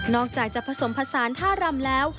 อกจากจะผสมผสานท่ารำแล้ว